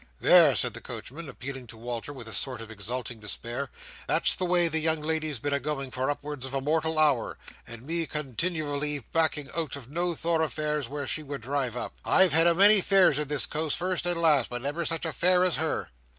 "There!" cried the coachman, appealing to Walter, with a sort of exalting despair; "that's the way the young lady's been a goin' on for up'ards of a mortal hour, and me continivally backing out of no thoroughfares, where she would drive up. I've had a many fares in this coach, first and last, but never such a fare as her."